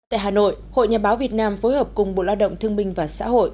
tại hà nội hội nhà báo việt nam phối hợp cùng bộ lao động thương minh và xã hội